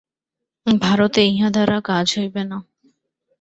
ভারতে ইহা দ্বারা কাজ হইবে না।